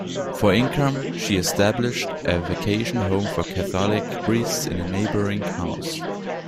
For income, she established a vacation home for Catholic priests in a neighboring house.